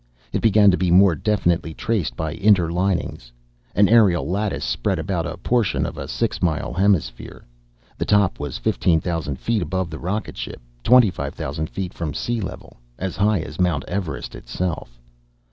It began to be more definitely traced by interlinings. An aerial lattice spread about a portion of a six mile hemisphere. The top was fifteen thousand feet above the rocket ship, twenty five thousand feet from sea level, as high as Mount Everest itself.